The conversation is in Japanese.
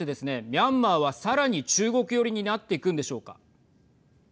ミャンマーは、さらに中国寄りになっていくんでしょうか。